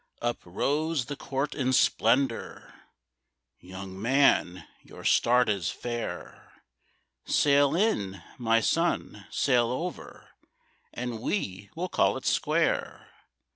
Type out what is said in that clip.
Up rose the Court in splendour; "Young man, your start is fair, Sail in, my son, sail over, And we will call it square!